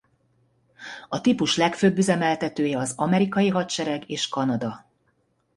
A típus legfőbb üzemeltetője az amerikai hadsereg és Kanada.